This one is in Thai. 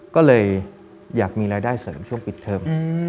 ก็เลยอยากมีรายได้เสริมช่วงปิดเทอม